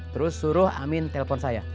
terus suruh amin telpon saya